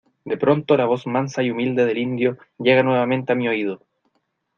de pronto la voz mansa y humilde del indio llega nuevamente a mi oído.